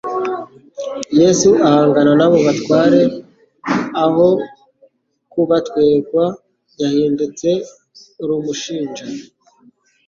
Yesu ahangana n'abo batware. Aho kuba tuegwa, yahindutse urumshinja.